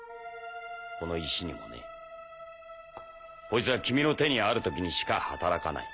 この石にもね。こいつは君の手にある時にしか働かない。